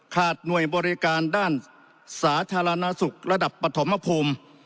หน่วยบริการด้านสาธารณสุขระดับปฐมภูมิ